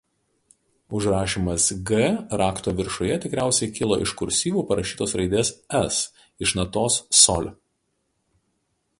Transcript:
Užrašymas G rakto viršuje tikriausiai kilo iš kursyvu parašytos raidės "S" iš natos sol.